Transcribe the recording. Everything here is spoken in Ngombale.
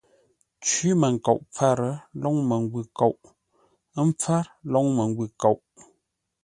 Cwímənkoʼ pfâr, lóŋ məngwʉ̂ kôʼ; ə́ mpfár, lôŋ məngwʉ̂ kôʼ.